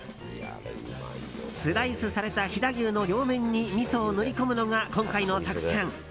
スライスされた飛騨牛の両面にみそを塗り込むのが今回の作戦。